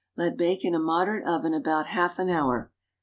Let bake in a moderate oven about half an hour.